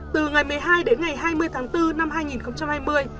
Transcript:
từ ngày một mươi hai đến ngày hai mươi tháng bốn năm hai nghìn hai mươi